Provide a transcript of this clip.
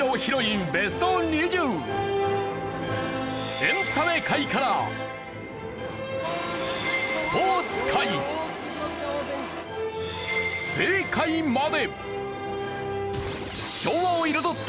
エンタメ界からスポーツ界政界まで。